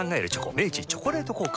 明治「チョコレート効果」